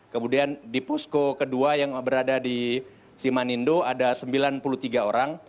kemudian di pusko kedua yang berada di simanindo ada sembilan puluh tiga orang